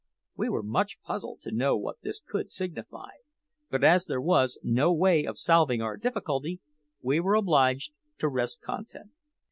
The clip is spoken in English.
We were much puzzled to know what this could signify; but as there was no way of solving our difficulty, we were obliged to rest content.